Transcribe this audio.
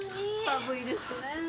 寒いですねぇ。